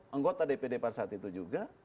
anggota dpd pada saat itu juga